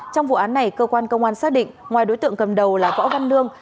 trong vụ án này cơ quan công an xác định ngoài đối tượng cầm đầu là võ văn lương